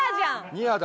ニアだ。